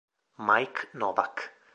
Mike Novak